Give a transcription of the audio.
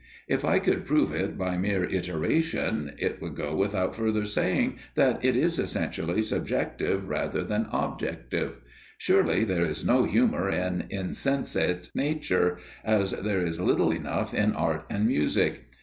If I could prove it by mere iteration it would go without further saying that it is essentially subjective rather than objective. Surely there is no humour in insensate nature, as there is little enough in Art and Music.